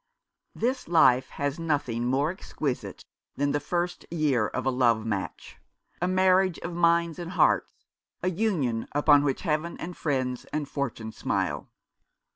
THIS life has nothing more exquisite than the first year of a love match, a marriage of minds and hearts, a union upon which Heaven and friends and fortune smile.